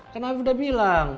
kan afif udah bilang